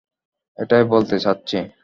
এটাই বলতে চাচ্ছি।